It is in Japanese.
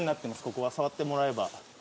ここは触ってもらえば。